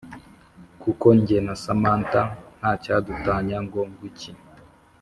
kuko njye na samantha ntacyadutanya ngo ngwiki